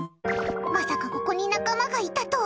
まさかここに仲間がいたとは。